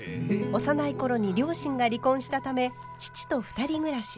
幼い頃に両親が離婚したため父と２人暮らし。